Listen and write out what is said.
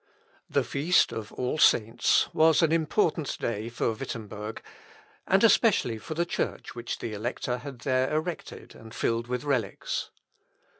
The feast of All Saints was an important day for Wittemberg, and especially for the church which the Elector had there erected and filled with relics.